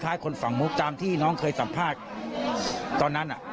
คนฝั่งมุกตามที่น้องเคยสัมภาษณ์ตอนนั้นอ่ะ